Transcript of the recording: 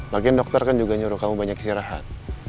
lagian dokter kan juga nyuruh kamu banyak istirahat